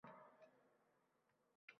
Tomoshabin beradigan kuch